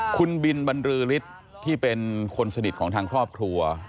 คุณบินบรรลือฤทธิ์ที่เป็นคนสนิทของทางครอบครัว